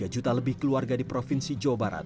tiga juta lebih keluarga di provinsi jawa barat